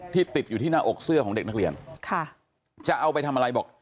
ติดอยู่ที่หน้าอกเสื้อของเด็กนักเรียนค่ะจะเอาไปทำอะไรบอก